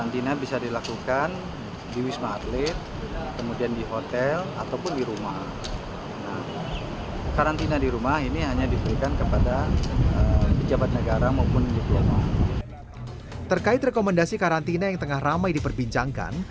terkait rekomendasi karantina yang tengah ramai diperbincangkan